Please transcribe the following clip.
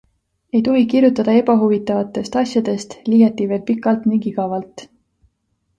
Ei tohi kirjutada ebahuvitavatest asjadest, liiati veel pikalt ning igavalt.